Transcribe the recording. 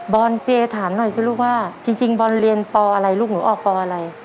บอลพี่เอ๋ถามหน่อยสิลูกว่าจริงจริงบอลเรียนปอะไรลูกหรือออกปอะไร